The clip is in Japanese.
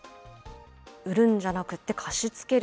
売るんじゃなくて貸し付ける。